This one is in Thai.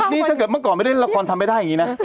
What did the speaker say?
นี่เมื่อก่อนไม่ได้รกฎทำให้ได้อย่างนี้นะ